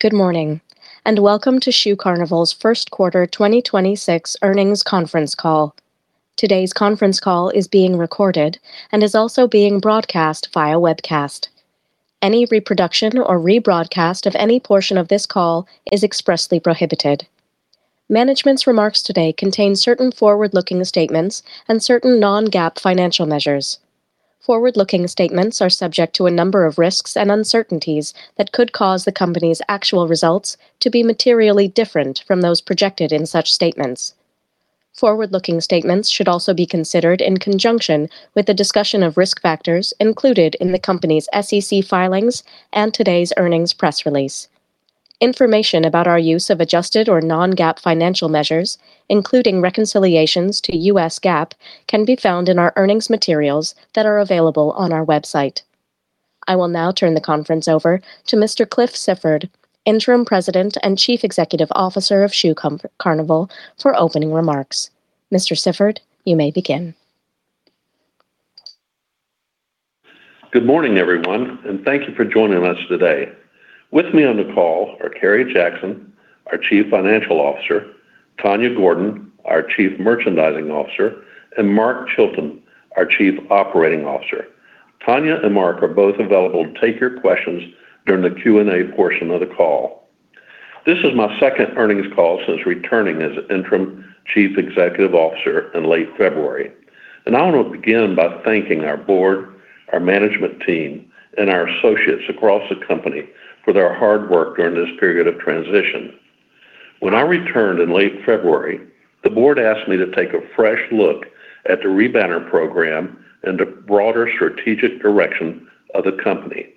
Good morning, and welcome to Shoe Carnival's first quarter 2026 earnings conference call. Today's conference call is being recorded and is also being broadcast via webcast. Any reproduction or rebroadcast of any portion of this call is expressly prohibited. Management's remarks today contain certain forward-looking statements and certain non-GAAP financial measures. Forward-looking statements are subject to a number of risks and uncertainties that could cause the company's actual results to be materially different from those projected in such statements. Forward-looking statements should also be considered in conjunction with the discussion of risk factors included in the company's SEC filings and today's earnings press release. Information about our use of adjusted or non-GAAP financial measures, including reconciliations to US GAAP, can be found in our earnings materials that are available on our website. I will now turn the conference over to Mr. Cliff Sifford, Interim President and Chief Executive Officer of Shoe Carnival, for opening remarks. Mr. Sifford, you may begin. Good morning, everyone. Thank you for joining us today. With me on the call are Kerry Jackson, our Chief Financial Officer, Tanya Gordon, our Chief Merchandising Officer, and Marc Chilton, our Chief Operating Officer. Tanya and Marc are both available to take your questions during the Q&A portion of the call. This is my second earnings call since returning as Interim Chief Executive Officer in late February, and I want to begin by thanking our board, our management team, and our associates across the company for their hard work during this period of transition. When I returned in late February, the board asked me to take a fresh look at the re-banner program and the broader strategic direction of the company.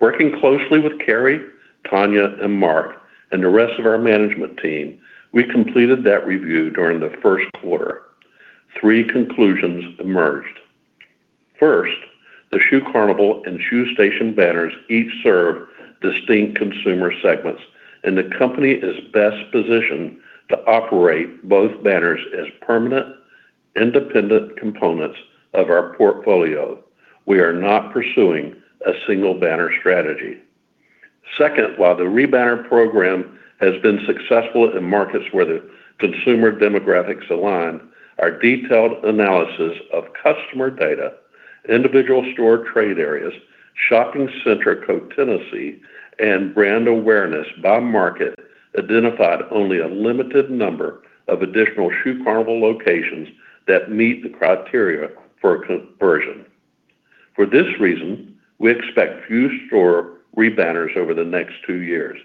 Working closely with Kerry, Tanya, and Marc, and the rest of our management team, we completed that review during the first quarter. Three conclusions emerged. First, the Shoe Carnival and Shoe Station banners each serve distinct consumer segments, and the company is best positioned to operate both banners as permanent, independent components of our portfolio. We are not pursuing a single banner strategy. Second, while the re-banner program has been successful in markets where the consumer demographics align, our detailed analysis of customer data, individual store trade areas, shopping center co-tenancy, and brand awareness by market identified only a limited number of additional Shoe Carnival locations that meet the criteria for a conversion. For this reason, we expect few store re-banners over the next two years,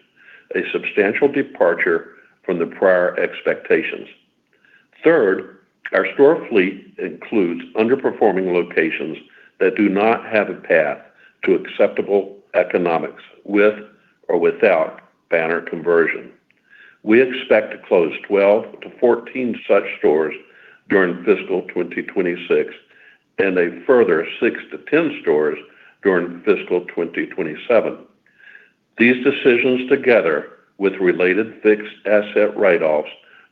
a substantial departure from the prior expectations. Third, our store fleet includes underperforming locations that do not have a path to acceptable economics, with or without banner conversion. We expect to close 12-14 such stores during fiscal 2026 and a further 6-10 stores during fiscal 2027. These decisions, together with related fixed asset write-offs,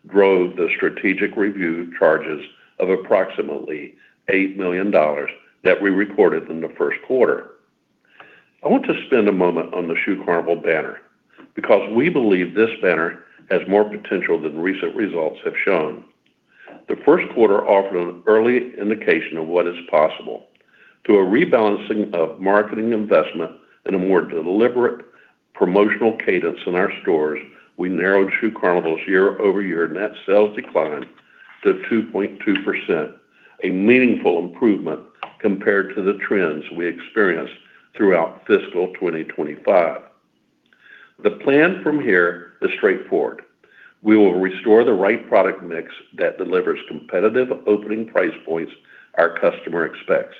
drove the strategic review charges of approximately $8 million that we reported in the first quarter. I want to spend a moment on the Shoe Carnival banner because we believe this banner has more potential than recent results have shown. The first quarter offered an early indication of what is possible. Through a rebalancing of marketing investment and a more deliberate promotional cadence in our stores, we narrowed Shoe Carnival's year-over-year net sales decline to 2.2%, a meaningful improvement compared to the trends we experienced throughout fiscal 2025. The plan from here is straightforward. We will restore the right product mix that delivers competitive opening price points our customer expects.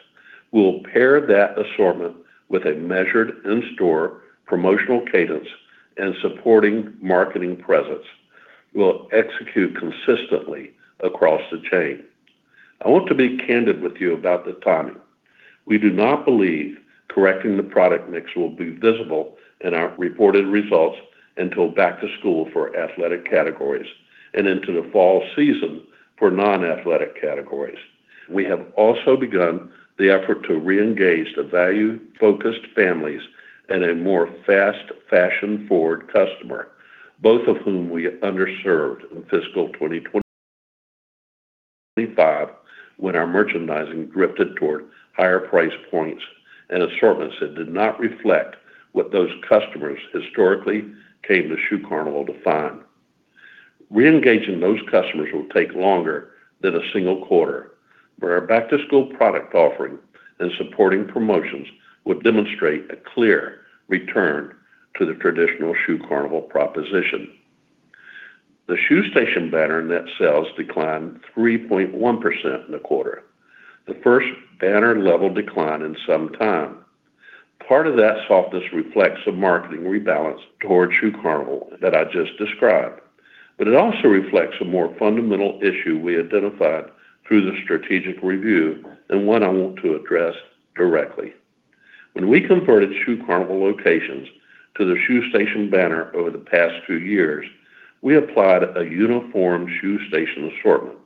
We will pair that assortment with a measured in-store promotional cadence and supporting marketing presence. We will execute consistently across the chain. I want to be candid with you about the timing. We do not believe correcting the product mix will be visible in our reported results until back-to-school for athletic categories and into the fall season for non-athletic categories. We have also begun the effort to reengage the value-focused families and a more fast fashion-forward customer, both of whom we underserved in fiscal 2025 when our merchandising drifted toward higher price points and assortments that did not reflect what those customers historically came to Shoe Carnival to find. Reengaging those customers will take longer than a single quarter, but our back-to-school product offering and supporting promotions will demonstrate a clear return to the traditional Shoe Carnival proposition. The Shoe Station banner net sales declined 3.1% in the quarter, the first banner-level decline in some time. Part of that softness reflects a marketing rebalance toward Shoe Carnival that I just described, but it also reflects a more fundamental issue we identified through the strategic review and one I want to address directly. When we converted Shoe Carnival locations to the Shoe Station banner over the past two years, we applied a uniform Shoe Station assortment,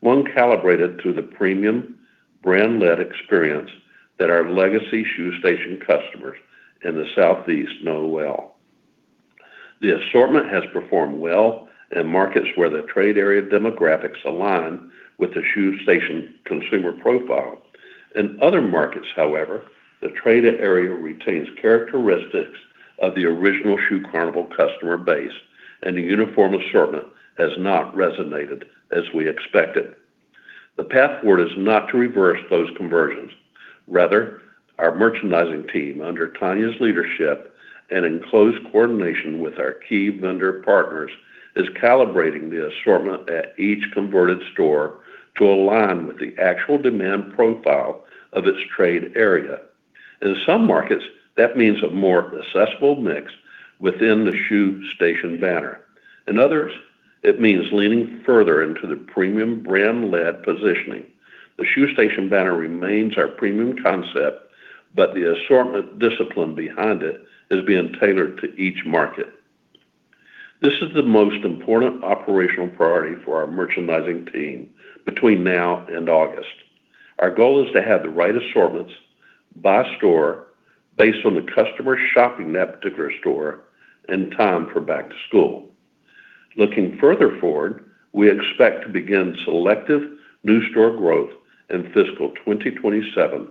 one calibrated through the premium brand-led experience that our legacy Shoe Station customers in the southeast know well. The assortment has performed well in markets where the trade area demographics align with the Shoe Station consumer profile. In other markets, however, the trade area retains characteristics of the original Shoe Carnival customer base, and a uniform assortment has not resonated as we expected. The path forward is not to reverse those conversions. Rather, our merchandising team, under Tanya's leadership and in close coordination with our key vendor partners, is calibrating the assortment at each converted store to align with the actual demand profile of its trade area. In some markets, that means a more accessible mix within the Shoe Station banner. In others, it means leaning further into the premium brand-led positioning. The Shoe Station banner remains our premium concept, but the assortment discipline behind it is being tailored to each market. This is the most important operational priority for our merchandising team between now and August. Our goal is to have the right assortments by store based on the customer shopping that particular store in time for back to school. Looking further forward, we expect to begin selective new store growth in fiscal 2027.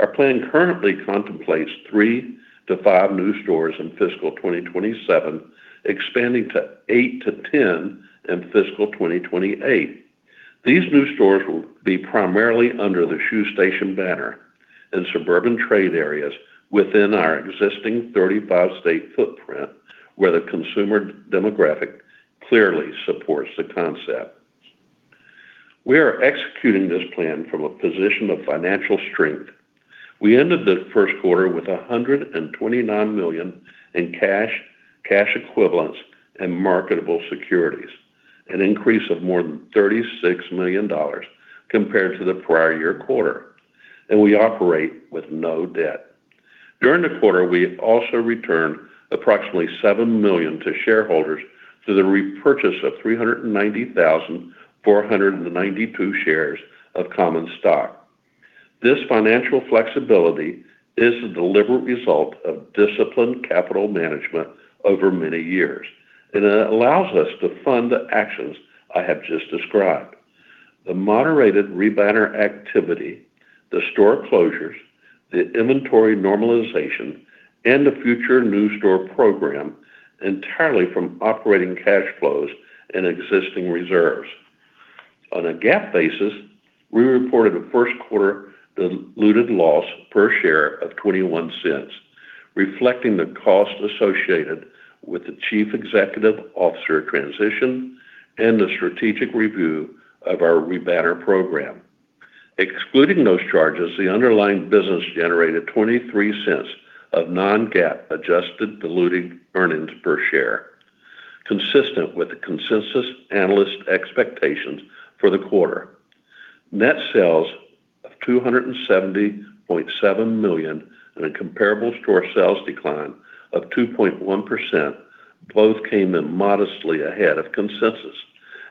Our plan currently contemplates three to five new stores in fiscal 2027, expanding to 8-10 in fiscal 2028. These new stores will be primarily under the Shoe Station banner in suburban trade areas within our existing 35-state footprint, where the consumer demographic clearly supports the concept. We are executing this plan from a position of financial strength. We ended the first quarter with $129 million in cash equivalents, and marketable securities, an increase of more than $36 million compared to the prior year quarter, and we operate with no debt. During the quarter, we also returned approximately $7 million to shareholders through the repurchase of 390,492 shares of common stock. This financial flexibility is the deliberate result of disciplined capital management over many years, and it allows us to fund the actions I have just described. The moderated re-banner activity, the store closures, the inventory normalization, and the future new store program entirely from operating cash flows and existing reserves. On a GAAP basis, we reported a first quarter diluted loss per share of $0.21, reflecting the cost associated with the CEO transition and the strategic review of our re-banner program. Excluding those charges, the underlying business generated $0.23 of non-GAAP adjusted diluted earnings per share, consistent with the consensus analyst expectations for the quarter. Net sales of $270.7 million and a comparable store sales decline of 2.1% both came in modestly ahead of consensus,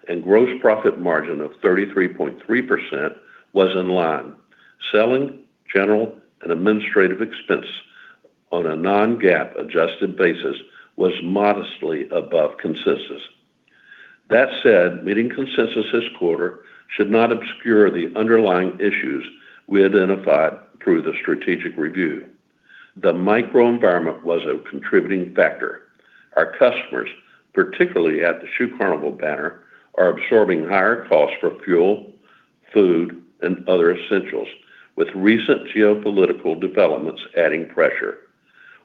and gross profit margin of 33.3% was in line. Selling, general, and administrative expense on a non-GAAP adjusted basis was modestly above consensus. That said, meeting consensus this quarter should not obscure the underlying issues we identified through the strategic review. The microenvironment was a contributing factor. Our customers, particularly at the Shoe Carnival banner, are absorbing higher costs for fuel, food, and other essentials, with recent geopolitical developments adding pressure.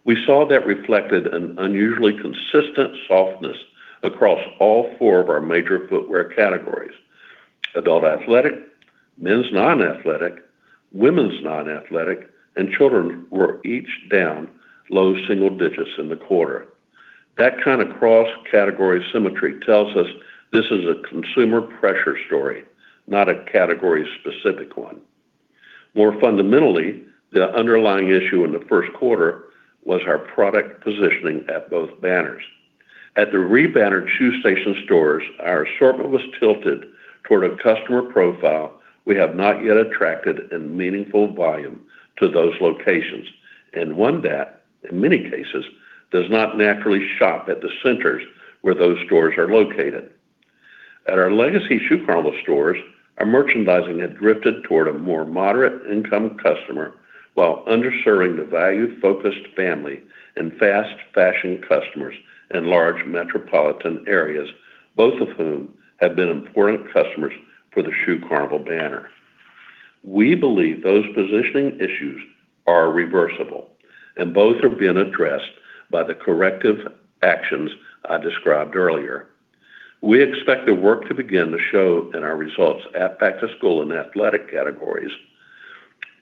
We saw that reflected in unusually consistent softness across all four of our major footwear categories. adult athletic, men's non-athletic, women's non-athletic, and children were each down low single digits in the quarter. That kind of cross-category symmetry tells us this is a consumer pressure story, not a category-specific one. More fundamentally, the underlying issue in the first quarter was our product positioning at both banners. At the re-bannered Shoe Station stores, our assortment was tilted toward a customer profile we have not yet attracted in meaningful volume to those locations, and one that, in many cases, does not naturally shop at the centers where those stores are located. At our legacy Shoe Carnival stores, our merchandising had drifted toward a more moderate income customer while underserving the value-focused family and fast fashion customers in large metropolitan areas, both of whom have been important customers for the Shoe Carnival banner. We believe those positioning issues are reversible, and both are being addressed by the corrective actions I described earlier. We expect the work to begin to show in our results at back to school and athletic categories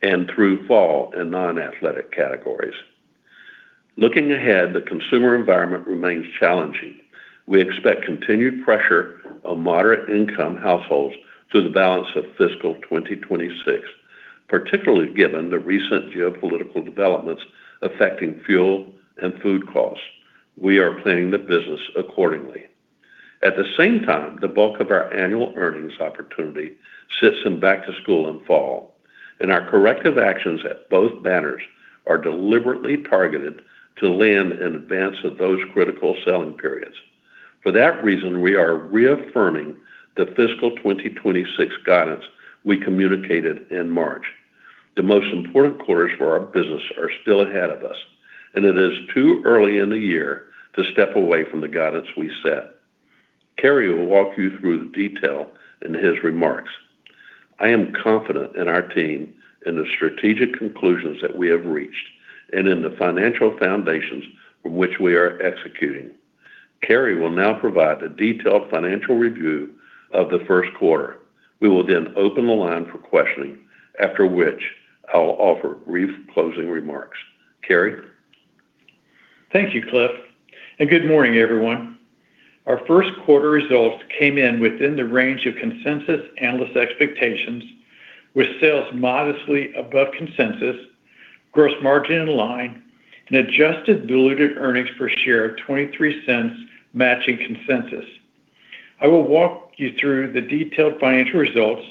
and through fall and non-athletic categories. Looking ahead, the consumer environment remains challenging. We expect continued pressure on moderate income households through the balance of fiscal 2026. Particularly given the recent geopolitical developments affecting fuel and food costs. We are planning the business accordingly. At the same time, the bulk of our annual earnings opportunity sits in back to school and fall, and our corrective actions at both banners are deliberately targeted to land in advance of those critical selling periods. For that reason, we are reaffirming the fiscal 2026 guidance we communicated in March. The most important quarters for our business are still ahead of us, and it is too early in the year to step away from the guidance we set. Kerry will walk you through the detail in his remarks. I am confident in our team, in the strategic conclusions that we have reached, and in the financial foundations from which we are executing. Kerry will now provide a detailed financial review of the first quarter. We will then open the line for questioning, after which I'll offer brief closing remarks. Kerry? Thank you, Cliff. Good morning, everyone. Our first quarter results came in within the range of consensus analyst expectations, with sales modestly above consensus, gross margin in line, and adjusted diluted earnings per share of $0.23, matching consensus. I will walk you through the detailed financial results,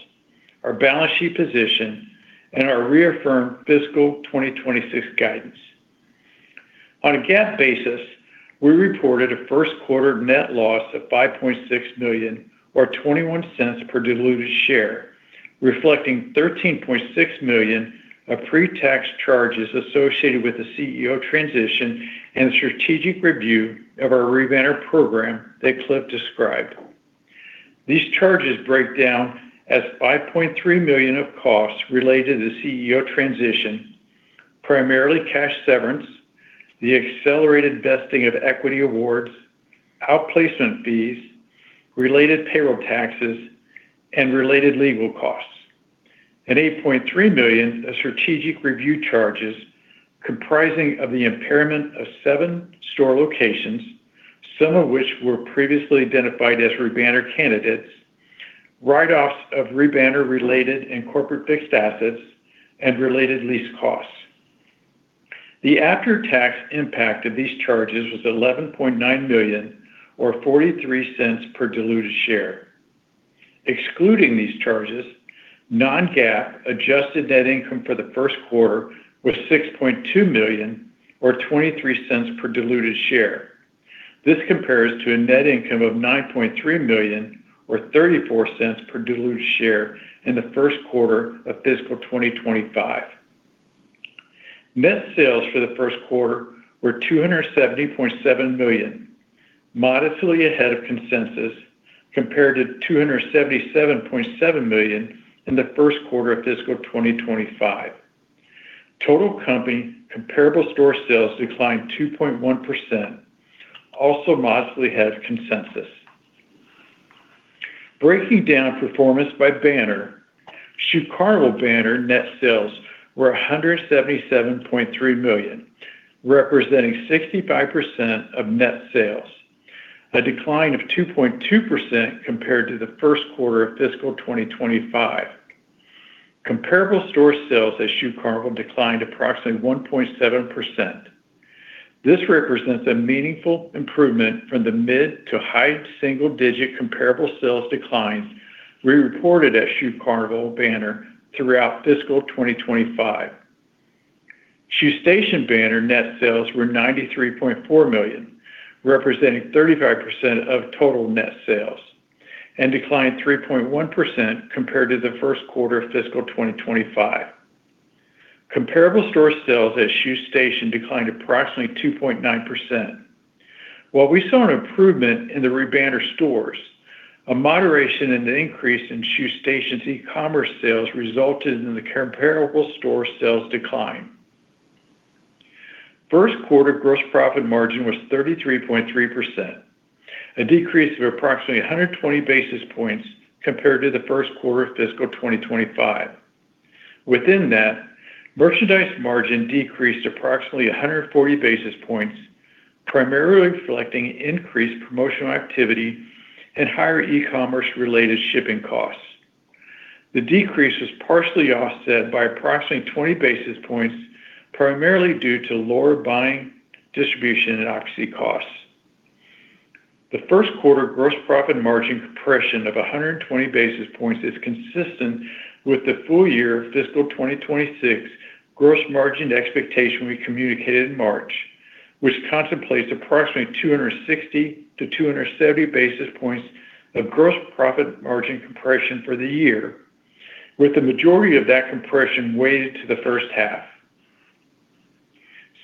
our balance sheet position, and our reaffirmed fiscal 2026 guidance. On a GAAP basis, we reported a first quarter net loss of $5.6 million, or $0.21 per diluted share, reflecting $13.6 million of pre-tax charges associated with the CEO transition and strategic review of our re-banner program that Cliff described. These charges break down as $5.3 million of costs related to CEO transition, primarily cash severance, the accelerated vesting of equity awards, outplacement fees, related payroll taxes, and related legal costs. $8.3 million of strategic review charges comprising of the impairment of seven store locations, some of which were previously identified as re-banner candidates, write-offs of re-banner related and corporate fixed assets, and related lease costs. The after-tax impact of these charges was $11.9 million, or $0.43 per diluted share. Excluding these charges, non-GAAP adjusted net income for the first quarter was $6.2 million or $0.23 per diluted share. This compares to a net income of $9.3 million or $0.34 per diluted share in the first quarter of fiscal 2025. Net sales for the first quarter were $270.7 million, modestly ahead of consensus, compared to $277.7 million in the first quarter of fiscal 2025. Total company comparable store sales declined 2.1%, also modestly ahead of consensus. Breaking down performance by banner, Shoe Carnival banner net sales were $177.3 million, representing 65% of net sales, a decline of 2.2% compared to the first quarter of fiscal 2025. Comparable store sales at Shoe Carnival declined approximately 1.7%. This represents a meaningful improvement from the mid to high single-digit comparable sales declines we reported at Shoe Carnival banner throughout fiscal 2025. Shoe Station banner net sales were $93.4 million, representing 35% of total net sales, and declined 3.1% compared to the first quarter of fiscal 2025. Comparable store sales at Shoe Station declined approximately 2.9%. While we saw an improvement in the re-banner stores, a moderation in the increase in Shoe Station's e-commerce sales resulted in the comparable store sales decline. First quarter gross profit margin was 33.3%, a decrease of approximately 120 basis points compared to the first quarter of fiscal 2025. Within that, merchandise margin decreased approximately 140 basis points, primarily reflecting increased promotional activity and higher e-commerce related shipping costs. The decrease was partially offset by approximately 20 basis points, primarily due to lower Buying, Distribution, and Occupancy costs. The first quarter gross profit margin compression of 120 basis points is consistent with the full year fiscal 2026 gross margin expectation we communicated in March, which contemplates approximately 260-270 basis points of gross profit margin compression for the year, with the majority of that compression weighted to the first half.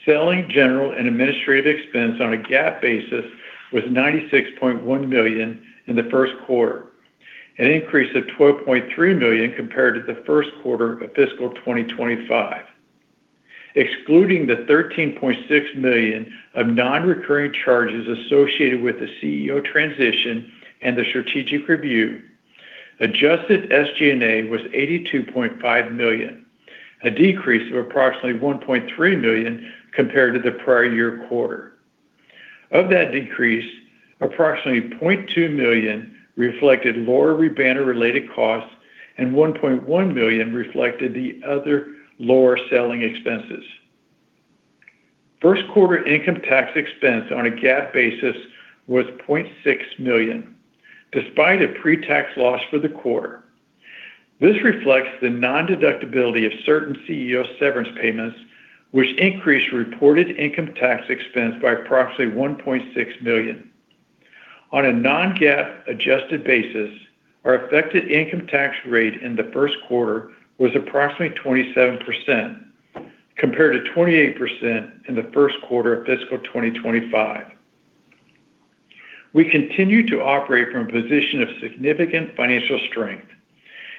Selling, General, and Administrative expense on a GAAP basis was $96.1 million in the first quarter, an increase of $12.3 million compared to the first quarter of fiscal 2025. Excluding the $13.6 million of non-recurring charges associated with the CEO transition and the strategic review, adjusted SG&A was $82.5 million, a decrease of approximately $1.3 million compared to the prior year quarter. Of that decrease, approximately $0.2 million reflected lower re-banner-related costs, and $1.1 million reflected the other lower selling expenses. First quarter income tax expense on a GAAP basis was $0.6 million, despite a pre-tax loss for the quarter. This reflects the non-deductibility of certain CEO severance payments, which increased reported income tax expense by approximately $1.6 million. On a non-GAAP adjusted basis, our effective income tax rate in the first quarter was approximately 27%, compared to 28% in the first quarter of fiscal 2025. We continue to operate from a position of significant financial strength.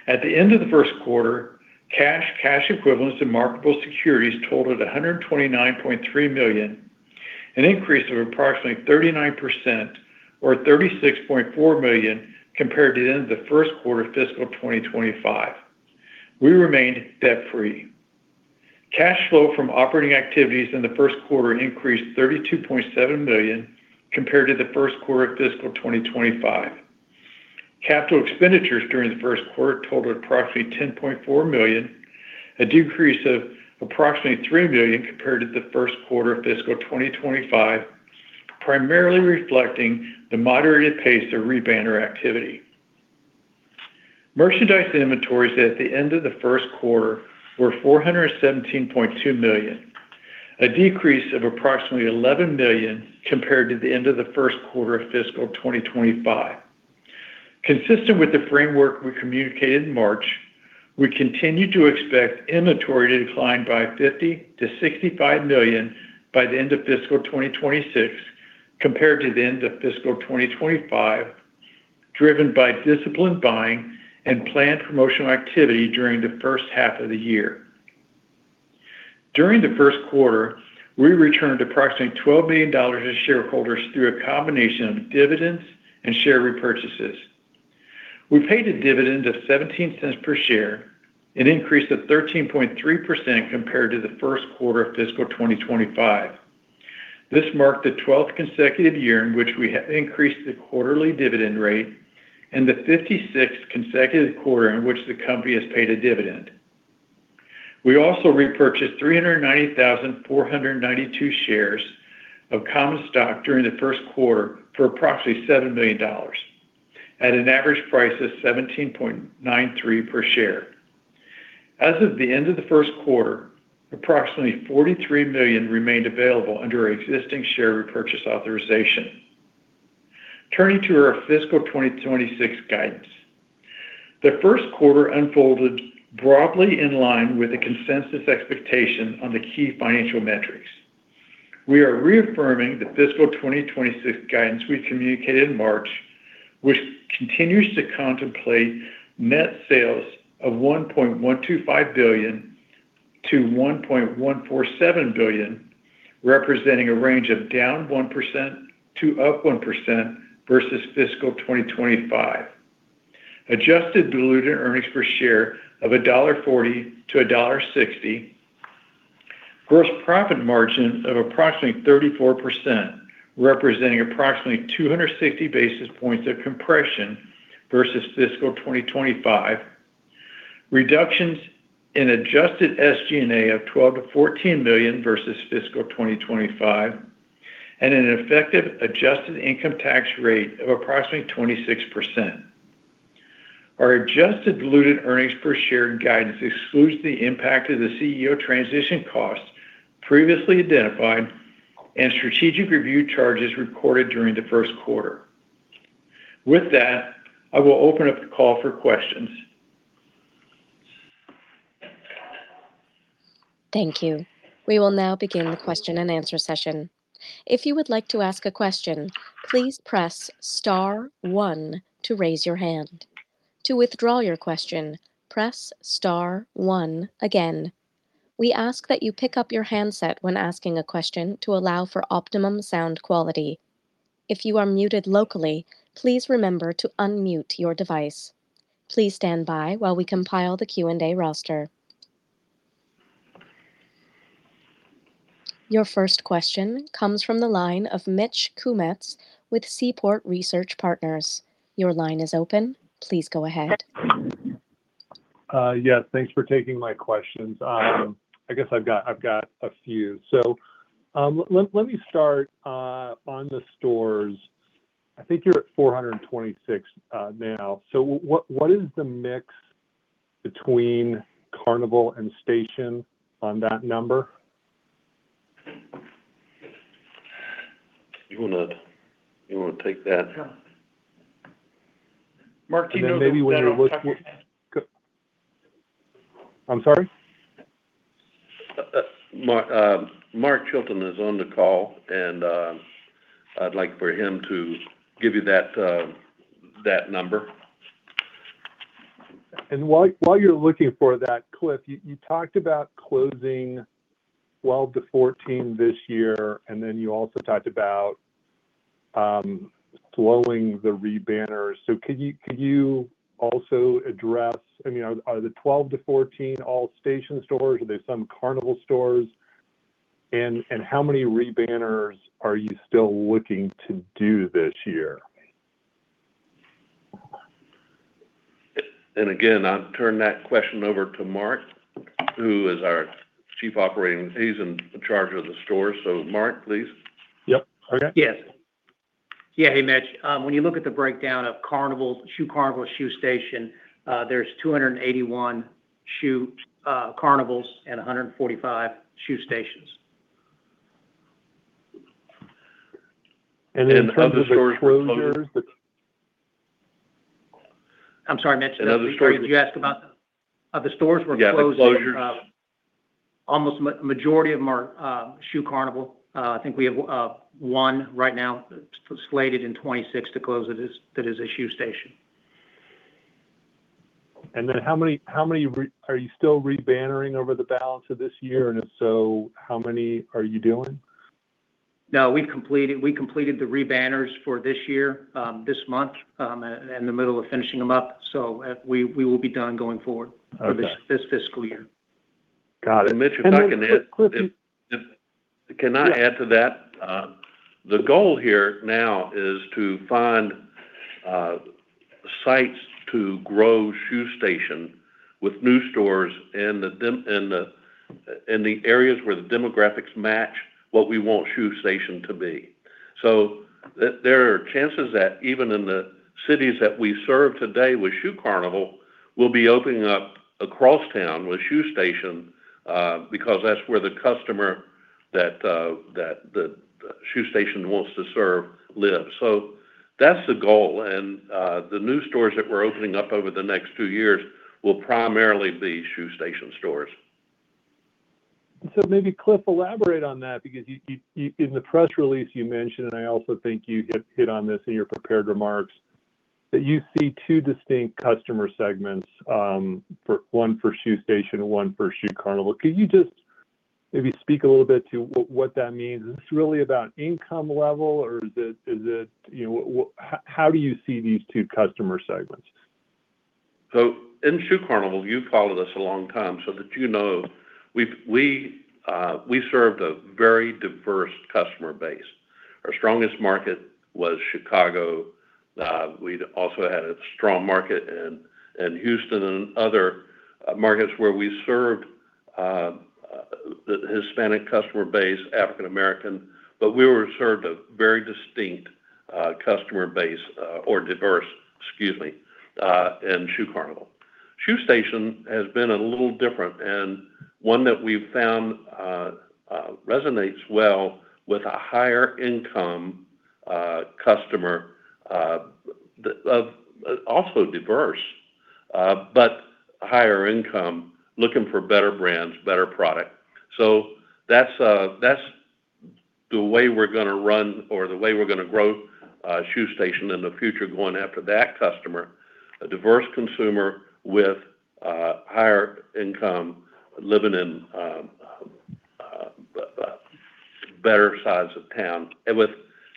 At the end of the first quarter, cash equivalents, and marketable securities totaled $129.3 million, an increase of approximately 39%, or $36.4 million, compared to the end of the first quarter of fiscal 2025. We remained debt-free. Cash flow from operating activities in the first quarter increased $32.7 million compared to the first quarter of fiscal 2025. Capital expenditures during the first quarter totaled approximately $10.4 million, a decrease of approximately $3 million compared to the first quarter of fiscal 2025, primarily reflecting the moderated pace of re-banner activity. Merchandise inventories at the end of the first quarter were $417.2 million, a decrease of approximately $11 million compared to the end of the first quarter of fiscal 2025. Consistent with the framework we communicated in March, we continue to expect inventory to decline by $50 million-$65 million by the end of fiscal 2026, compared to the end of fiscal 2025, driven by disciplined buying and planned promotional activity during the first half of the year. During the first quarter, we returned approximately $12 million to shareholders through a combination of dividends and share repurchases. We paid a dividend of $0.17 per share, an increase of 13.3% compared to the first quarter of fiscal 2025. This marked the 12th consecutive year in which we have increased the quarterly dividend rate and the 56th consecutive quarter in which the company has paid a dividend. We also repurchased 390,492 shares of common stock during the first quarter for approximately $7 million, at an average price of $17.93 per share. As of the end of the first quarter, approximately $43 million remained available under our existing share repurchase authorization. Turning to our fiscal 2026 guidance. The first quarter unfolded broadly in line with the consensus expectations on the key financial metrics. We are reaffirming the fiscal 2026 guidance we communicated in March, which continues to contemplate net sales of $1.125 billion-$1.147 billion, representing a range of down 1% to up 1% versus fiscal 2025. Adjusted diluted earnings per share of $1.40-$1.60. Gross profit margin of approximately 34%, representing approximately 260 basis points of compression versus fiscal 2025. Reductions in adjusted SG&A of $12 million-$14 million versus fiscal 2025, and an effective adjusted income tax rate of approximately 26%. Our adjusted diluted earnings per share guidance excludes the impact of the CEO transition costs previously identified, and strategic review charges recorded during the first quarter. With that, I will open up the call for questions. Thank you. We will now begin the question and answer session. If you would like to ask a question, please press star one to raise your hand. To withdraw your question, press star one again. We ask that you pick up your handset when asking a question to allow for optimum sound quality. If you are muted locally, please remember to unmute your device. Please stand by while we compile the Q&A roster. Your first question comes from the line of Mitch Kummetz with Seaport Research Partners. Your line is open. Please go ahead. Yes. Thanks for taking my questions. I guess I've got a few. Let me start on the stores. I think you're at 426 now. What is the mix between Carnival and Station on that number? You want to take that? Yeah. Marc, do you know? Maybe when you're look--. I'm sorry? Marc Chilton is on the call, and I'd like for him to give you that number. While you're looking for that, Cliff, you talked about closing 12-14 this year, and then you also talked about slowing the re-banners. Could you also address, are the 12-14 all Station stores? Are there some Carnival stores? How many re-banners are you still looking to do this year? Again, I'll turn that question over to Marc, who is our Chief Operating. He's in charge of the stores. Marc, please. Yep. Okay. Yes. Yeah. Hey, Mitch. When you look at the breakdown of Shoe Carnival, Shoe Station, there's 281 Shoe Carnivals and 145 Shoe Stations. In terms of the closures. I'm sorry, Mitch. Did you ask about the stores we're closing? Yeah, the closures. Almost majority of them are Shoe Carnival. I think we have one right now slated in 2026 to close that is a Shoe Station. Are you still re-bannering over the balance of this year? If so, how many are you doing? No, we completed the re-banners for this year, this month. In the middle of finishing them up. We will be done going forward. Okay for this fiscal year. Got it. Mitch, if I can add- Cliff. Can I add to that? The goal here now is to find sites to grow Shoe Station with new stores in the areas where the demographics match what we want Shoe Station to be. There are chances that even in the cities that we serve today with Shoe Carnival, we'll be opening up across town with Shoe Station, because that's where the customer that Shoe Station wants to serve lives. That's the goal, and the new stores that we're opening up over the next two years will primarily be Shoe Station stores. Maybe Cliff, elaborate on that because in the press release you mentioned, and I also think you hit on this in your prepared remarks, that you see two distinct customer segments, one for Shoe Station and one for Shoe Carnival. Can you just maybe speak a little bit to what that means? Is this really about income level or how do you see these two customer segments? In Shoe Carnival, you've followed us a long time, so that you know we served a very diverse customer base. Our strongest market was Chicago. We'd also had a strong market in Houston and other markets where we served the Hispanic customer base, African American, but we served a very diverse customer base in Shoe Carnival. Shoe Station has been a little different, and one that we've found resonates well with a higher income customer. Also diverse, but higher income, looking for better brands, better product. That's the way we're going to run or the way we're going to grow Shoe Station in the future, going after that customer, a diverse consumer with higher income, living in a better size of town,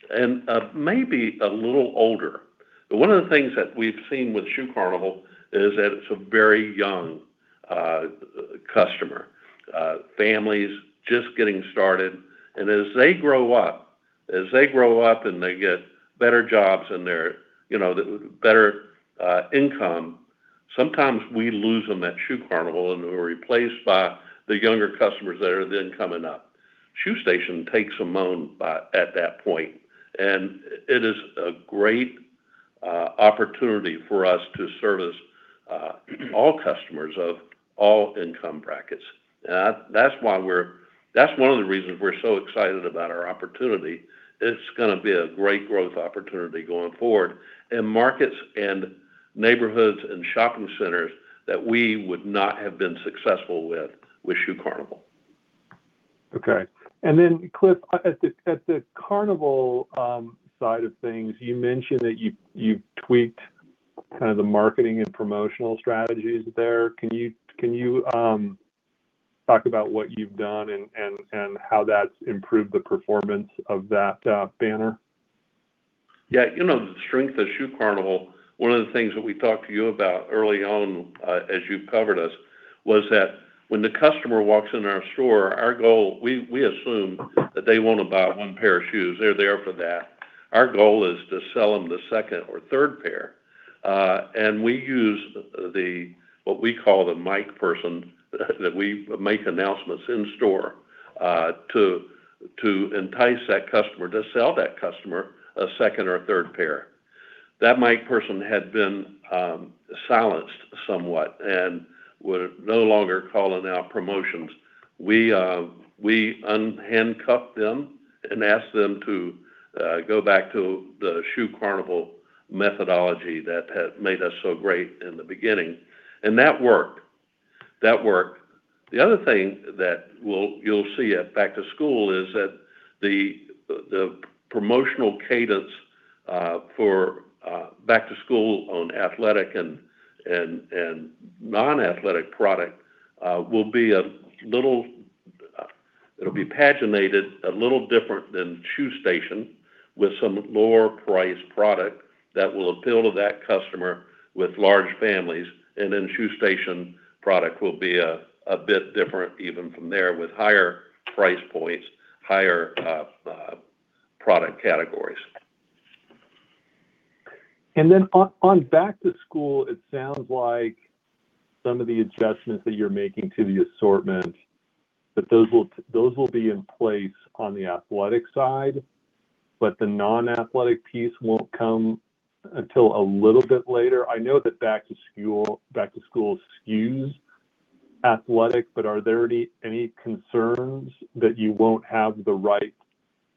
and maybe a little older. One of the things that we've seen with Shoe Carnival is that it's a very young customer, families just getting started, and as they grow up and they get better jobs and their better income, sometimes we lose them at Shoe Carnival, and they're replaced by the younger customers that are then coming up. Shoe Station takes them on at that point, and it is a great opportunity for us to service all customers of all income brackets. That's one of the reasons we're so excited about our opportunity. It's going to be a great growth opportunity going forward in markets and neighborhoods and shopping centers that we would not have been successful with Shoe Carnival. Okay. Cliff, at the Carnival side of things, you mentioned that you've tweaked the marketing and promotional strategies there. Can you talk about what you've done and how that's improved the performance of that banner? Yeah. The strength of Shoe Carnival, one of the things that we talked to you about early on, as you've covered us, was that when the customer walks into our store, our goal, we assume that they want to buy one pair of shoes. They're there for that. Our goal is to sell them the second or third pair. We use what we call the mic person, that we make announcements in store, to entice that customer, to sell that customer a second or a third pair. That mic person had been silenced somewhat and was no longer calling out promotions. We un-handcuffed them and asked them to go back to the Shoe Carnival methodology that had made us so great in the beginning. That worked. The other thing that you'll see at back to school is that the promotional cadence for back to school on athletic and non-athletic product will be. It'll be paginated a little different than Shoe Station with some lower price product that will appeal to that customer with large families. Shoe Station product will be a bit different even from there with higher price points, higher product categories. On back to school, it sounds like some of the adjustments that you're making to the assortment, that those will be in place on the athletic side, but the non-athletic piece won't come until a little bit later. I know that back to school skews athletic, but are there any concerns that you won't have the right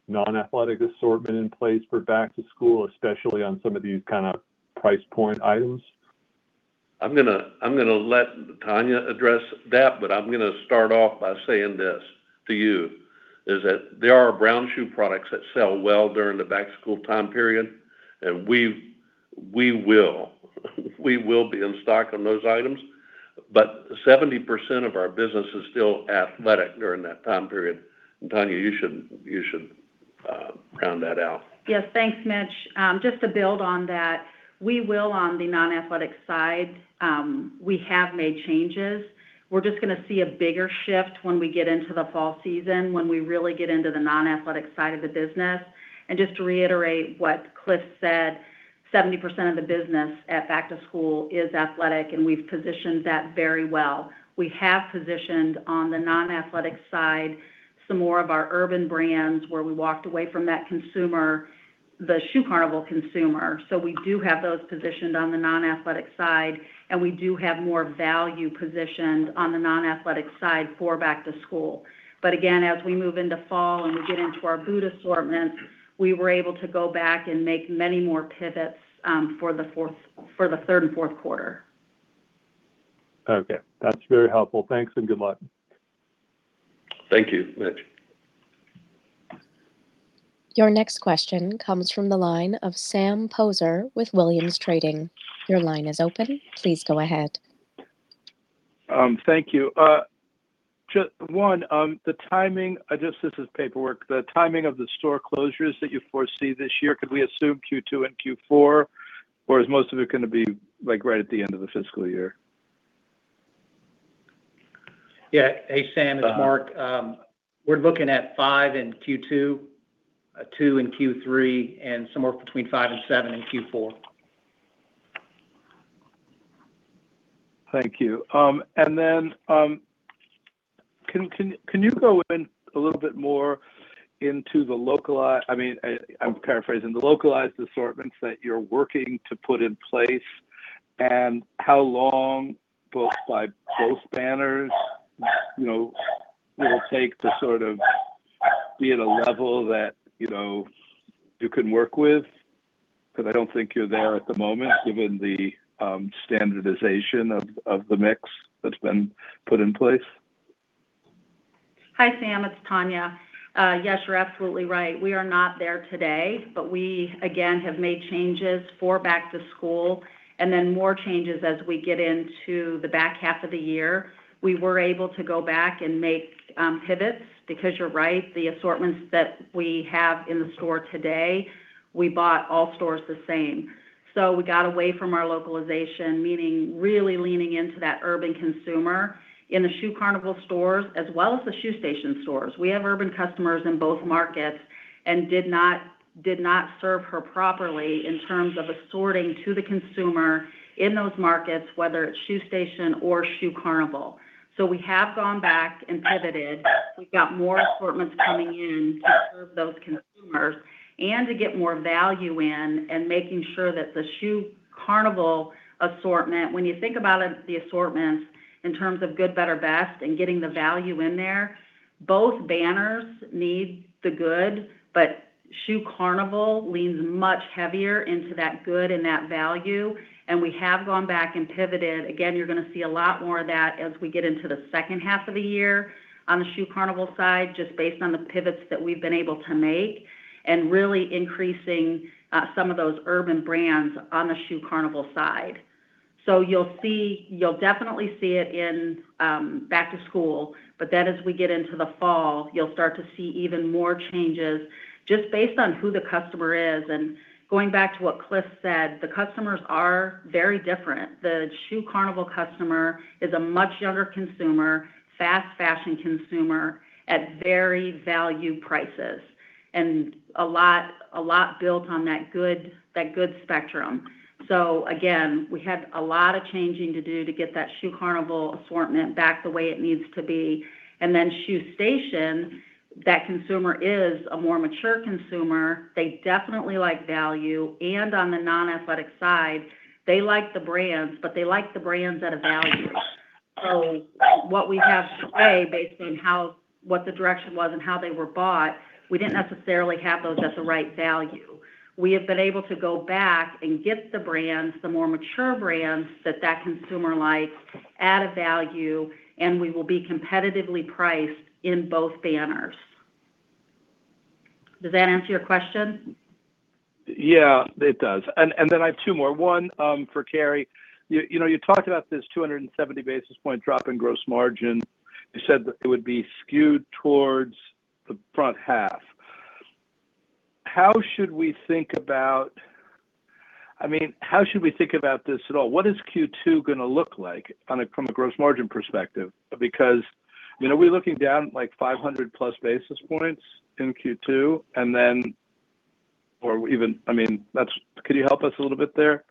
non-athletic assortment in place for back to school, especially on some of these kind of price point items? I'm going to let Tanya address that. I'm going to start off by saying this to you, is that there are brown shoe products that sell well during the back to school time period, and we will be in stock on those items. 70% of our business is still athletic during that time period. Tanya, you should round that out. Yes, thanks, Mitch. Just to build on that, we will on the non-athletic side. We have made changes. We're just going to see a bigger shift when we get into the fall season, when we really get into the non-athletic side of the business. Just to reiterate what Cliff said, 70% of the business at back to school is athletic, and we've positioned that very well. We have positioned on the non-athletic side some more of our urban brands where we walked away from that consumer, the Shoe Carnival consumer. We do have those positioned on the non-athletic side, and we do have more value positioned on the non-athletic side for back to school. Again, as we move into fall and we get into our boot assortment, we were able to go back and make many more pivots for the third and fourth quarter. Okay. That's very helpful. Thanks and good luck. Thank you, Mitch. Your next question comes from the line of Sam Poser with Williams Trading. Your line is open. Please go ahead. Thank you. One, the timing, I guess this is paperwork, the timing of the store closures that you foresee this year, could we assume Q2 and Q4, or is most of it going to be right at the end of the fiscal year? Yeah. Hey, Sam. It's Marc. We're looking at five in Q2, two in Q3, and somewhere between five and seven in Q4. Thank you. Can you go in a little bit more into the localized, I'm paraphrasing, the localized assortments that you're working to put in place and how long both banners will take to sort of be at a level that you can work with? Because I don't think you're there at the moment, given the standardization of the mix that's been put in place. Hi, Sam. It's Tanya. Yes, you're absolutely right. We are not there today, but we, again, have made changes for back to school and then more changes as we get into the back half of the year. We were able to go back and make pivots because you're right, the assortments that we have in the store today, we bought all stores the same. We got away from our localization, meaning really leaning into that urban consumer in the Shoe Carnival stores as well as the Shoe Station stores. We have urban customers in both markets and did not serve her properly in terms of assorting to the consumer in those markets, whether it's Shoe Station or Shoe Carnival. We have gone back and pivoted. We've got more assortments coming in to serve those consumers and to get more value in and making sure that the Shoe Carnival assortment, when you think about the assortments in terms of good, better, best and getting the value in there, both banners need the good, but Shoe Carnival leans much heavier into that good and that value, and we have gone back and pivoted. You're going to see a lot more of that as we get into the second half of the year on the Shoe Carnival side, just based on the pivots that we've been able to make, and really increasing some of those urban brands on the Shoe Carnival side. You'll definitely see it in back to school. As we get into the fall, you'll start to see even more changes just based on who the customer is. Going back to what Cliff said, the customers are very different. The Shoe Carnival customer is a much younger consumer, fast fashion consumer, at very value prices, and a lot built on that good spectrum. Again, we had a lot of changing to do to get that Shoe Carnival assortment back the way it needs to be. Shoe Station, that consumer is a more mature consumer. They definitely like value, and on the non-athletic side, they like the brands, but they like the brands at a value. What we have today, based on what the direction was and how they were bought, we didn't necessarily have those at the right value. We have been able to go back and get the brands, the more mature brands that that consumer likes at a value, and we will be competitively priced in both banners. Does that answer your question? Yeah, it does. I have two more. One for Kerry. You talked about this 270 basis point drop in gross margin. You said that it would be skewed towards the front half. How should we think about this at all? What is Q2 going to look like from a gross margin perspective? Are we looking down like 500+ basis points in Q2? Could you help us a little bit there?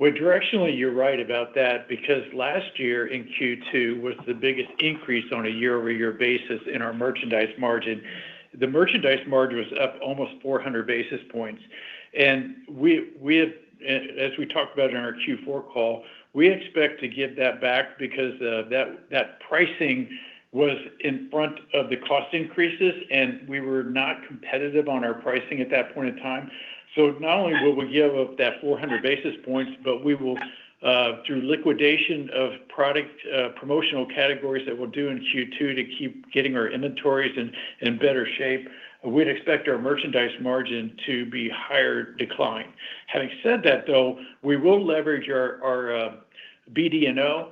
Directionally, you're right about that because last year in Q2 was the biggest increase on a year-over-year basis in our merchandise margin. The merchandise margin was up almost 400 basis points, and as we talked about in our Q4 call, we expect to give that back because that pricing was in front of the cost increases, and we were not competitive on our pricing at that point in time. Not only will we give up that 400 basis points, but we will through liquidation of product promotional categories that we'll do in Q2 to keep getting our inventories in better shape, we'd expect our merchandise margin to be higher decline. Having said that, though, we will leverage our BD&O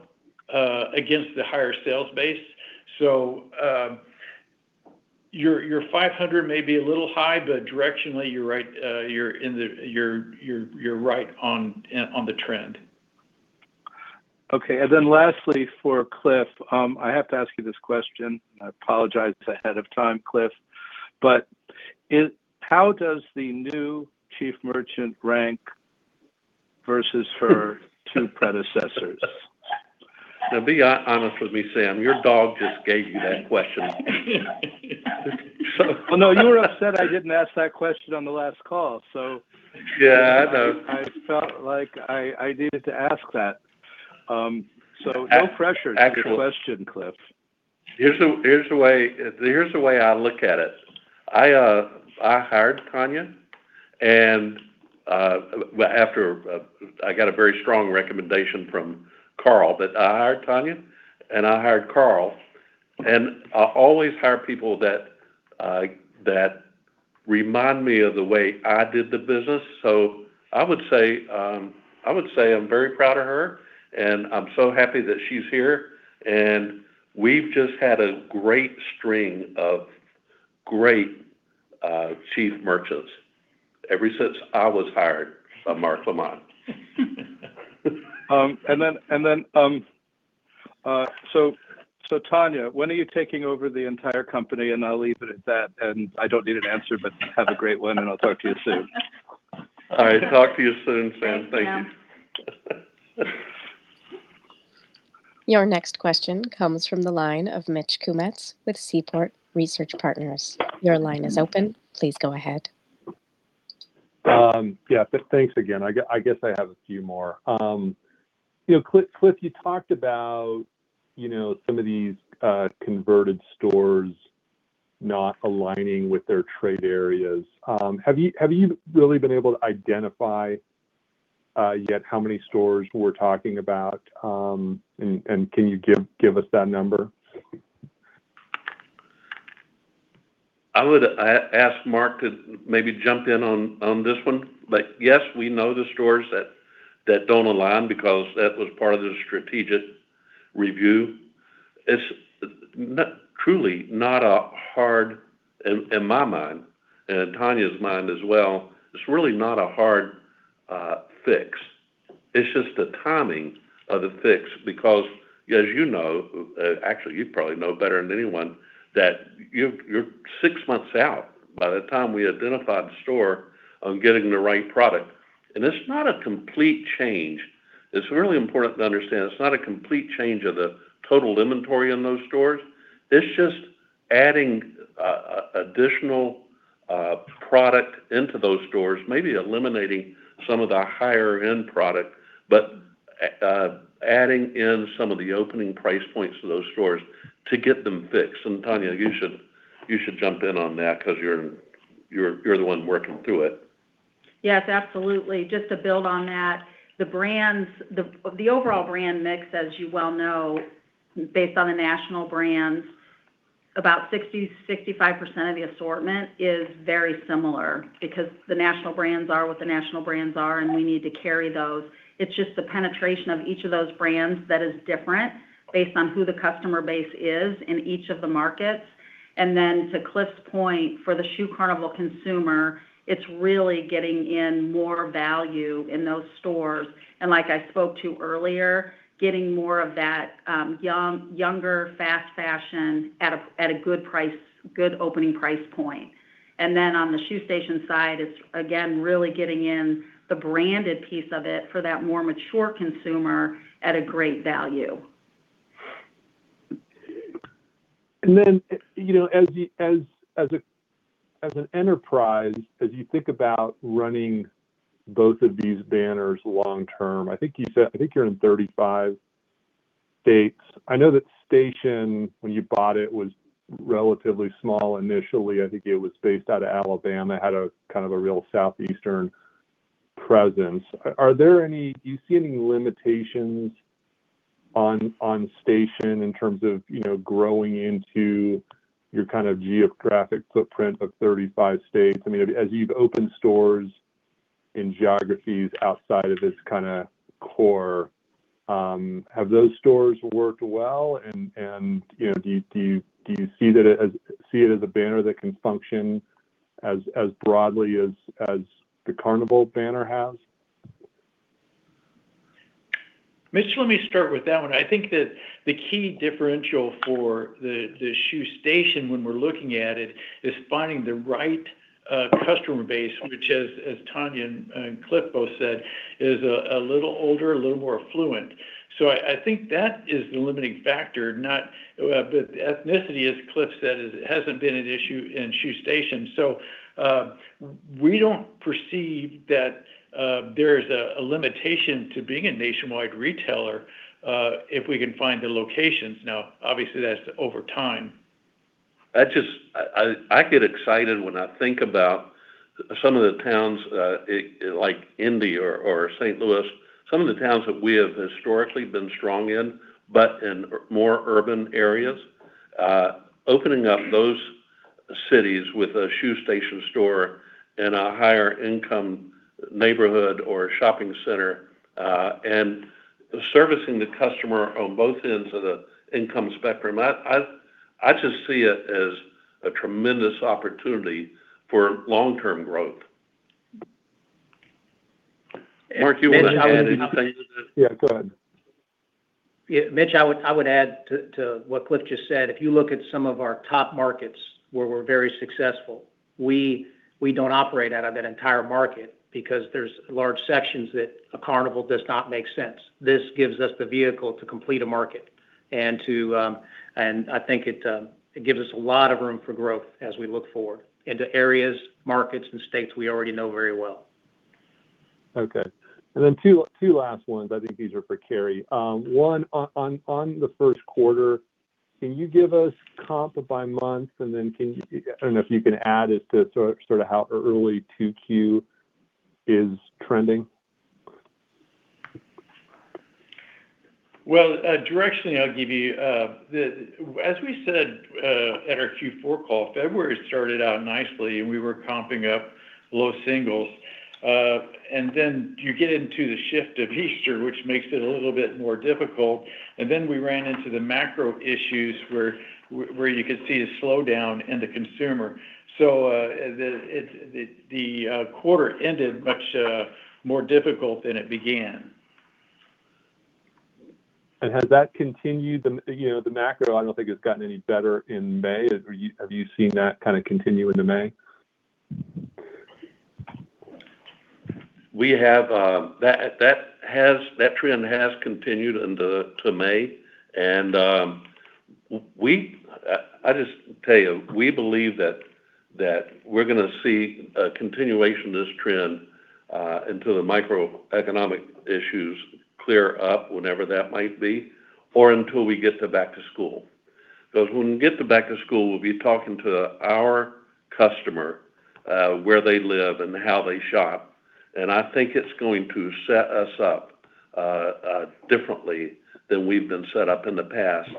against the higher sales base. Your 500 may be a little high, but directionally, you're right on the trend. Okay, lastly, for Cliff, I have to ask you this question. I apologize ahead of time, Cliff. How does the new Chief Merchant rank versus her two predecessors? Now be honest with me, Sam, your dog just gave you that question? Oh, no, you were upset I didn't ask that question on the last call, so- Yeah, I know. I felt like I needed to ask that. No pressure. Actually to the question, Cliff. Here's the way I look at it. I hired Tanya, and after I got a very strong recommendation from Carl, but I hired Tanya, and I hired Carl, and I always hire people that remind me of the way I did the business. I would say I'm very proud of her, and I'm so happy that she's here, and we've just had a great string of great chief merchants ever since I was hired by Mark Lemond. Tanya, when are you taking over the entire company? I'll leave it at that. I don't need an answer, but have a great one, and I'll talk to you soon. All right. Talk to you soon, Sam. Thank you. Thanks, Sam. Your next question comes from the line of Mitch Kummetz with Seaport Research Partners. Your line is open. Please go ahead. Thanks again. I guess I have a few more. Cliff, you talked about some of these converted stores not aligning with their trade areas. Have you really been able to identify yet how many stores we're talking about, and can you give us that number? I would ask Marc to maybe jump in on this one. Yes, we know the stores that don't align because that was part of the strategic review. It's truly not hard in my mind, and in Tanya's mind as well, it's really not a hard fix. It's just the timing of the fix because as you know, actually, you probably know better than anyone, that you're six months out by the time we identify the store on getting the right product, and it's not a complete change. It's really important to understand it's not a complete change of the total inventory in those stores. It's just adding additional product into those stores, maybe eliminating some of the higher end product, but adding in some of the opening price points to those stores to get them fixed. Tanya, you should jump in on that because you're the one working through it. Yes, absolutely. Just to build on that, the overall brand mix, as you well know, based on the national brands, about 60%-65% of the assortment is very similar because the national brands are what the national brands are, and we need to carry those. It's just the penetration of each of those brands that is different based on who the customer base is in each of the markets. To Cliff's point, for the Shoe Carnival consumer, it's really getting in more value in those stores. Like I spoke to earlier, getting more of that younger, fast fashion at a good opening price point. On the Shoe Station side, it's again, really getting in the branded piece of it for that more mature consumer at a great value. Then, as an enterprise, as you think about running both of these banners long term, I think you said you're in 35 states. I know that Station, when you bought it, was relatively small initially. I think it was based out of Alabama, had a kind of a real southeastern presence. Do you see any limitations on Station in terms of growing into your geographic footprint of 35 states? As you've opened stores in geographies outside of this core, have those stores worked well? Do you see it as a banner that can function as broadly as the Carnival banner has? Mitch, let me start with that one. I think that the key differential for the Shoe Station when we're looking at it, is finding the right customer base, which as Tanya and Cliff both said, is a little older, a little more affluent. I think that is the limiting factor, not ethnicity, as Cliff said, hasn't been an issue in Shoe Station. We don't perceive that there is a limitation to being a nationwide retailer, if we can find the locations. Obviously that's over time. I get excited when I think about some of the towns like Indy or St. Louis, some of the towns that we have historically been strong in, but in more urban areas. Opening up those cities with a Shoe Station store in a higher income neighborhood or shopping center, and servicing the customer on both ends of the income spectrum, I just see it as a tremendous opportunity for long-term growth. Marc, Yeah, go ahead. Mitch, I would add to what Cliff just said, if you look at some of our top markets where we're very successful, we don't operate out of that entire market because there's large sections that a Carnival does not make sense. This gives us the vehicle to complete a market, and I think it gives us a lot of room for growth as we look forward into areas, markets, and states we already know very well. Okay. Two last ones. I think these are for Kerry. One, on the first quarter, can you give us comp by month? I don't know if you can add as to how early 2Q is trending. Well, directionally, I'll give you, as we said, at our Q4 call, February started out nicely, and we were comping up low singles. You get into the shift of Easter, which makes it a little bit more difficult. We ran into the macro issues where you could see a slowdown in the consumer. The quarter ended much more difficult than it began. Has that continued the macro, I don't think has gotten any better in May. Have you seen that continue into May? That trend has continued to May. I just tell you, we believe that we're going to see a continuation of this trend, until the macroeconomic issues clear up, whenever that might be, or until we get to back to school. When we get to back to school, we'll be talking to our customer, where they live and how they shop. I think it's going to set us up differently than we've been set up in the past.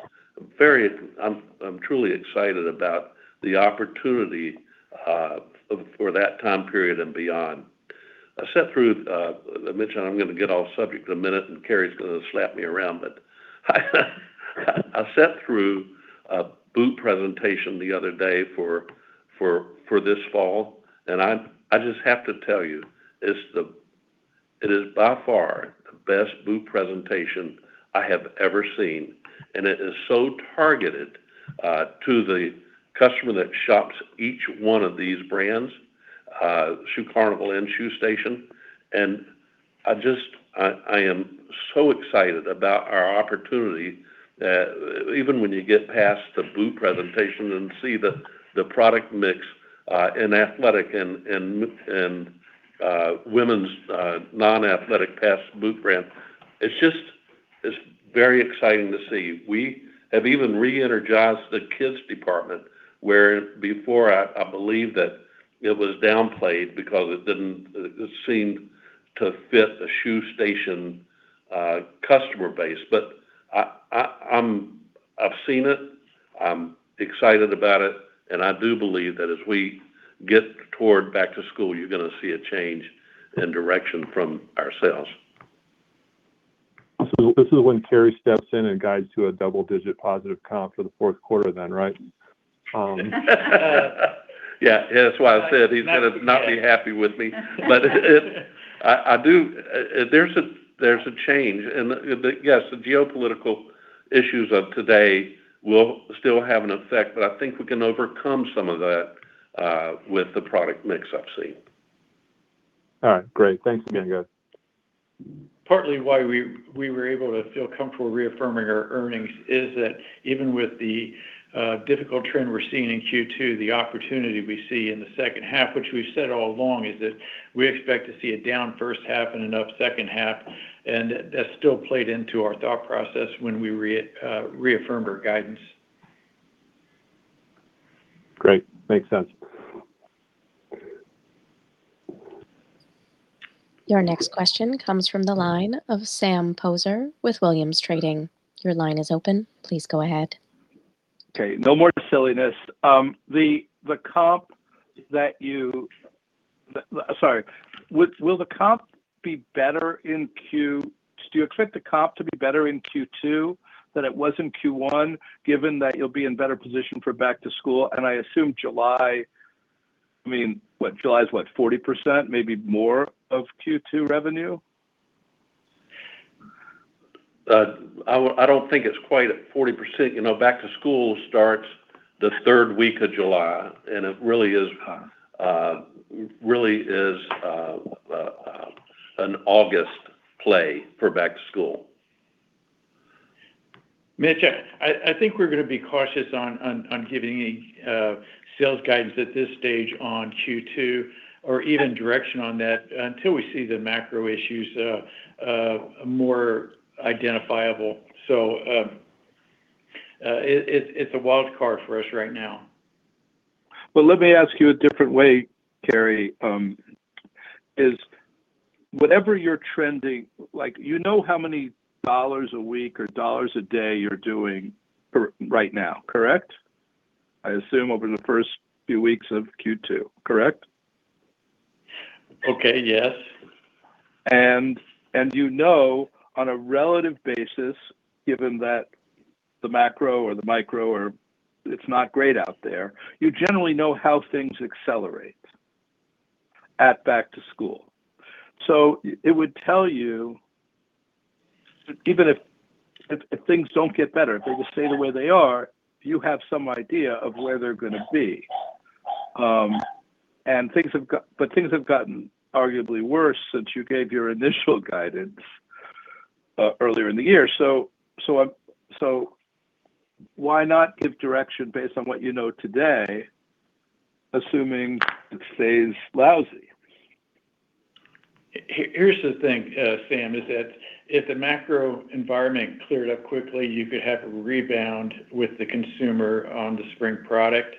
I'm truly excited about the opportunity for that time period and beyond. Mitch, I'm going to get off subject in a minute. Kerry's going to slap me around. I sat through a boot presentation the other day for this fall. I just have to tell you, it is by far the best boot presentation I have ever seen. It is so targeted to the customer that shops each one of these brands, Shoe Carnival and Shoe Station. I am so excited about our opportunity, even when you get past the boot presentation and see the product mix, in athletic and women's non-athletic boot brands. It's very exciting to see. We have even re-energized the kids department, where before, I believe that it was downplayed because it didn't seem to fit the Shoe Station customer base. I've seen it, I'm excited about it, and I do believe that as we get toward back to school, you're going to see a change in direction from our sales. This is when Kerry steps in and guides to a double-digit positive comp for the fourth quarter then, right? Yeah. That's why I said he's going to not be happy with me. There's a change. Yes, the geopolitical issues of today will still have an effect, but I think we can overcome some of that with the product mix I've seen. All right. Great. Thanks again, guys. Partly why we were able to feel comfortable reaffirming our earnings is that even with the difficult trend we're seeing in Q2, the opportunity we see in the second half, which we've said all along, is that we expect to see a down first half and an up second half, and that still played into our thought process when we reaffirmed our guidance. Great. Makes sense. Your next question comes from the line of Sam Poser with Williams Trading. Your line is open. Please go ahead. Okay, no more silliness. Do you expect the comp to be better in Q2 than it was in Q1, given that you'll be in better position for back to school? I assume July is what? 40%, maybe more of Q2 revenue? I don't think it's quite at 40%. Back to school starts the third week of July, and it really is an August play for back to school. Mitch, I think we're going to be cautious on giving any sales guidance at this stage on Q2 or even direction on that until we see the macro issues more identifiable. It's a wild card for us right now. Well, let me ask you a different way, Kerry. Whatever you're trending, you know how many dollars a week or dollars a day you're doing right now, correct? I assume over the first few weeks of Q2, correct? Okay. Yes. You know on a relative basis, given that the macro or the micro, it's not great out there, you generally know how things accelerate at back to school. It would tell you, even if things don't get better, if they just stay the way they are, you have some idea of where they're going to be. Things have gotten arguably worse since you gave your initial guidance earlier in the year. Why not give direction based on what you know today, assuming it stays lousy? Here's the thing, Sam, is that if the macro environment cleared up quickly, you could have a rebound with the consumer on the spring product.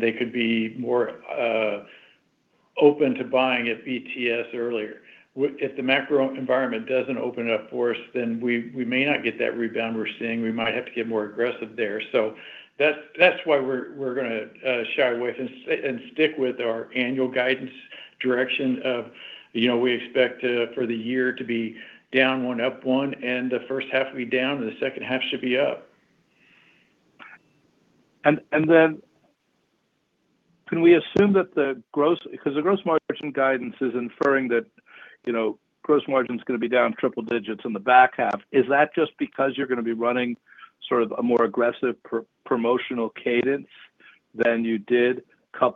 They could be more open to buying at BTS earlier. If the macro environment doesn't open up for us, we may not get that rebound we're seeing. We might have to get more aggressive there. That's why we're going to shy away from and stick with our annual guidance direction of we expect for the year to be down one up one, and the first half to be down, and the second half should be up. Can we assume that the gross margin guidance is inferring that gross margin's going to be down triple digits in the back half. Is that just because you're going to be running sort of a more aggressive promotional cadence than you did? How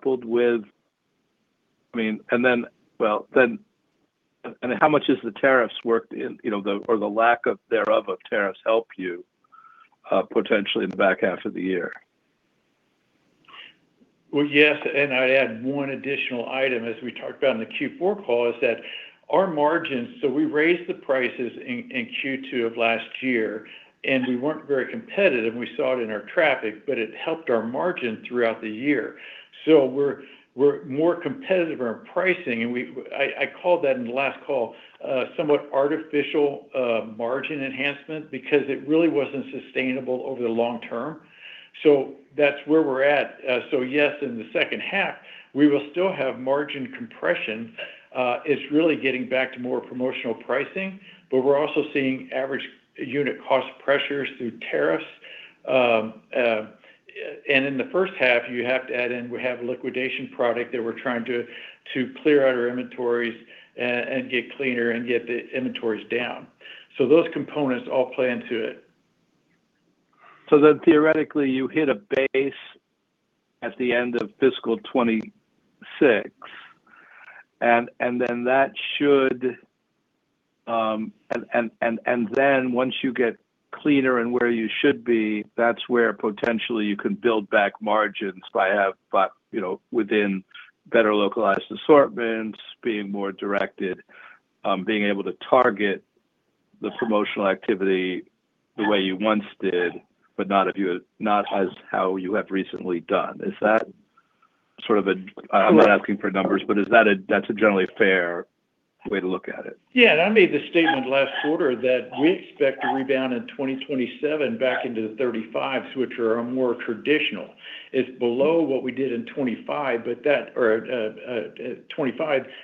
much has the tariffs, or the lack of thereof of tariffs, helped you potentially in the back half of the year? Yes, and I'd add one additional item as we talked about in the Q4 call, is that our margins. We raised the prices in Q2 of last year, and we weren't very competitive, and we saw it in our traffic, but it helped our margin throughout the year. We're more competitive on pricing, and I called that in the last call somewhat artificial margin enhancement because it really wasn't sustainable over the long term. That's where we're at. Yes, in the second half, we will still have margin compression. It's really getting back to more promotional pricing, but we're also seeing average unit cost pressures through tariffs. In the first half, you have to add in, we have a liquidation product that we're trying to clear out our inventories and get cleaner and get the inventories down. Those components all play into it. Theoretically, you hit a base at the end of fiscal 2026, and then once you get cleaner and where you should be, that's where potentially you can build back margins within better localized assortments, being more directed, being able to target the promotional activity the way you once did, but not as how you have recently done. I'm not asking for numbers, but that's a generally fair way to look at it? I made the statement last quarter that we expect to rebound in 2027 back into the 35%, which are more traditional. It's below what we did in 2025,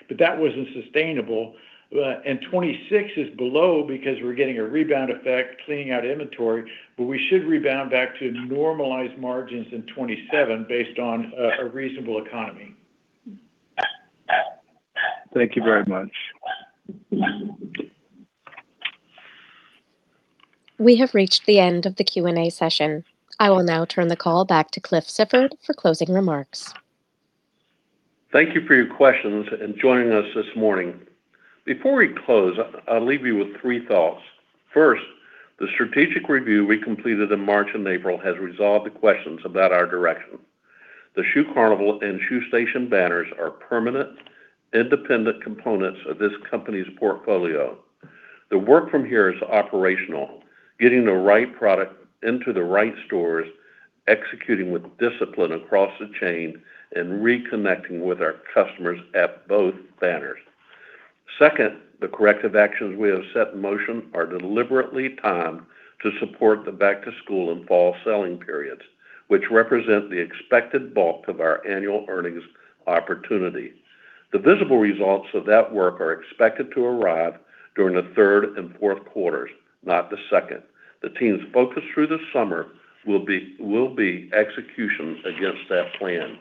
but that wasn't sustainable. 2026 is below because we're getting a rebound effect cleaning out inventory, but we should rebound back to normalized margins in 2027 based on a reasonable economy. Thank you very much. We have reached the end of the Q&A session. I will now turn the call back to Cliff Sifford for closing remarks. Thank you for your questions and joining us this morning. Before we close, I'll leave you with three thoughts. First, the strategic review we completed in March and April has resolved the questions about our direction. The Shoe Carnival and Shoe Station banners are permanent, independent components of this company's portfolio. The work from here is operational, getting the right product into the right stores, executing with discipline across the chain, and reconnecting with our customers at both banners. Second, the corrective actions we have set in motion are deliberately timed to support the back to school and fall selling periods, which represent the expected bulk of our annual earnings opportunity. The visible results of that work are expected to arrive during the third and fourth quarters, not the second. The team's focus through the summer will be execution against that plan.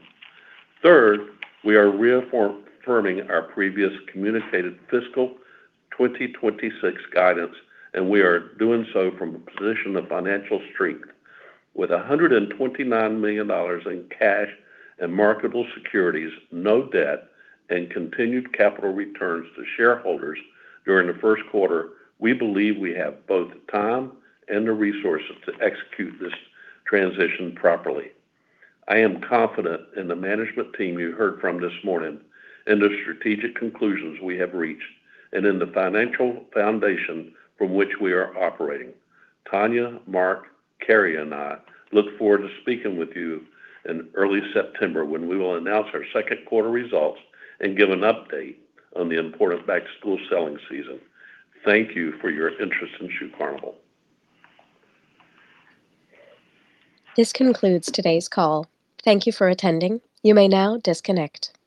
Third, we are reaffirming our previous communicated fiscal 2026 guidance. We are doing so from a position of financial strength. With $129 million in cash and marketable securities, no debt, and continued capital returns to shareholders during the first quarter, we believe we have both the time and the resources to execute this transition properly. I am confident in the management team you heard from this morning, in the strategic conclusions we have reached, and in the financial foundation from which we are operating. Tanya, Marc, Kerry, and I look forward to speaking with you in early September when we will announce our second quarter results and give an update on the important back to school selling season. Thank you for your interest in Shoe Carnival. This concludes today's call. Thank you for attending. You may now disconnect.